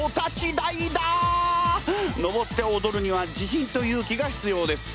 のぼっておどるには自信と勇気が必要です。